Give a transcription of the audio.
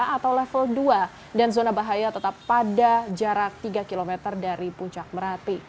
atau level dua dan zona bahaya tetap pada jarak tiga km dari puncak merapi